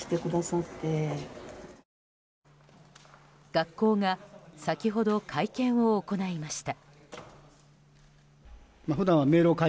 学校が先ほど会見を行いました。